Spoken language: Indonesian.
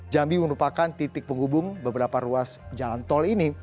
jambi merupakan titik penghubung beberapa ruas jalan tol ini